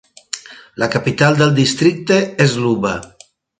La capital del districte és Luba.